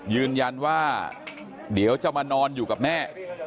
ยืนยันว่าเดี๋ยวจะมานอนอยู่กับแม่